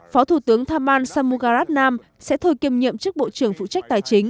phó thủ tướng thamman sammugaratnam sẽ thời kiêm nhiệm trước bộ trưởng phụ trách tài chính